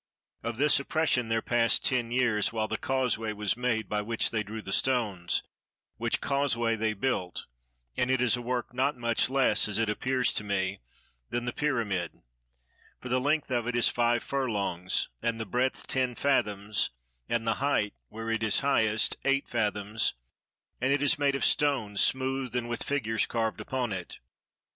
Of this oppression there passed ten years while the causeway was made by which they drew the stones, which causeway they built, and it is a work not much less, as it appears to me, than the pyramid; for the length of it is five furlongs and the breadth ten fathoms and the height, where it is highest, eight fathoms, and it is made of stone smoothed and with figures carved upon it.